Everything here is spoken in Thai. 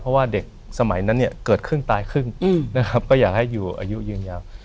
เพราะว่าเด็กสมัยนั้นเนี่ยเกิดครึ่งตายครึ่งนะครับก็อยากให้อยู่อายุยืนยาว